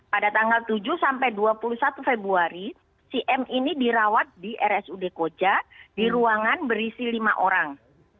pada tanggal tujuh sampai dua puluh satu februari si m ini dirawat di rsud koja di ruangan berisi lima orang